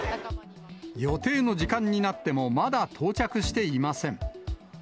予定の時間になってもまだ到着していません。